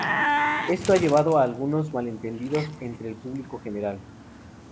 Esto ha llevado a algunos malentendidos entre el público general.